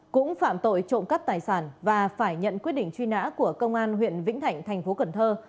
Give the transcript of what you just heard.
cũng phạm tội trộm cắp tài sản và phải nhận quyết định truy nã của công an huyện vĩnh thạnh thành phố cần thơ